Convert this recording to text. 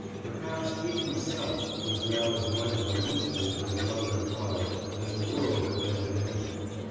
Perhaps he himself was now as much of a mystery to his mother and his father as the world had been to him.